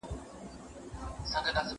د مځکي ساتنه د ټولو انسانانو شریکه دنده ده.